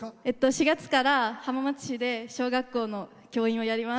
４月から浜松市で小学校の教員をやります。